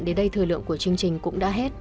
đến đây thời lượng của chương trình cũng đã hết